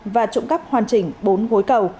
và trộm cắp hoàn chỉnh bốn gối cầu